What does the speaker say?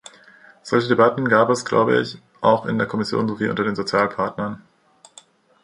Solche Debatten gab es, glaube ich, auch in der Kommission sowie unter den Sozialpartnern.